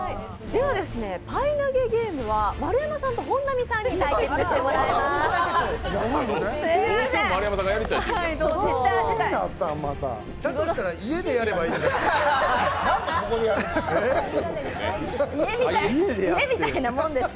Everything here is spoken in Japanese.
パイ投げゲームは丸山さんと本並さんに対決してもらいます。